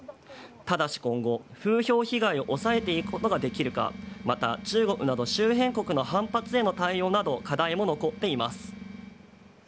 ただし今後、風評被害を抑えていくことができるか、また中国など周辺国の反発への対応など、課題も残っています。